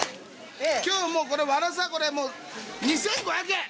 今日もうこれワラサこれもう２５００円！